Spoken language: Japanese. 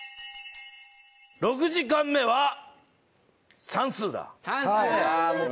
６時間目は算数だ！